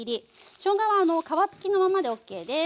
しょうがは皮付きのままでＯＫです。